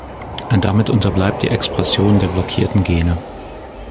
Damit unterbleibt die Expression der blockierten Gene.